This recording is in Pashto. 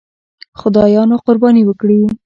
خدایانو قرباني وکړي.